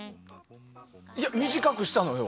いや短くしたのよ。